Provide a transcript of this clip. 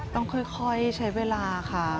ต้องค่อยใช้เวลาค่ะ